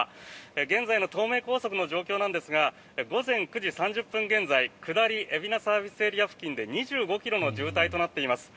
現在の東名高速の状況ですが午前９時３０分現在下り、海老名ＳＡ付近で２５ｋｍの渋滞となっています。